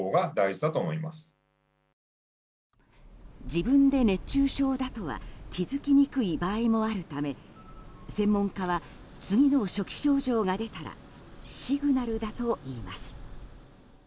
自分で熱中症だとは気づきにくい場合もあるため専門家は次の初期症状が出たらシグナルだといいます。